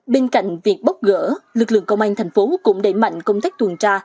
bên cạnh việc bóc gỡ lực lượng công an thành phố cũng đẩy mạnh công tác tuần tra